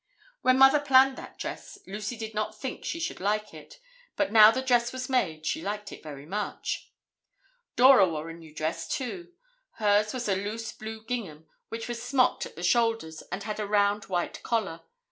When Mother planned that dress, Lucy did not think she should like it, but now the dress was made, she liked it very much. Dora wore a new dress, too. Hers was a loose blue gingham which was smocked at the shoulders and had a round white collar.